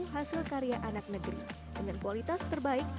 hasil karya anak negeri dengan kualitas terbaik